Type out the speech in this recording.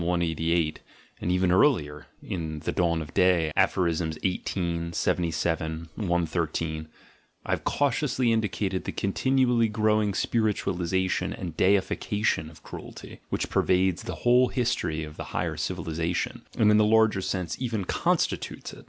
188 (and even earlier, in The Dawn oj Day, Aphs. 18, 77, 113), I have cautiously indicated the continually growing spiritualisation and "deification" of cruelty, which pervades the whole history of the higher civilisation (and in the larger sense even constitutes it).